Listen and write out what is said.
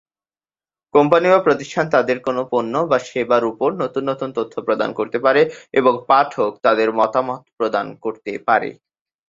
কোম্পানি/প্রতিষ্ঠান তাদের কোন পণ্য বা সেবার উপর নতুন নতুন তথ্য প্রদান করে এবং পাঠক তাদের মতামত প্রদান করতে পারে।